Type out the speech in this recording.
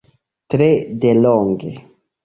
Tre delonge.